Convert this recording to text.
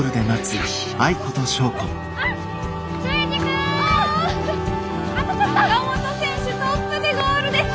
坂本選手トップでゴールです！